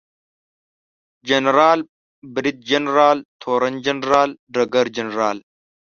جنرال، بریدجنرال، تورن جنرال ، ډګرجنرال